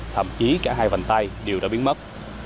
thậm chí cả hai vành tay đều đã biến mất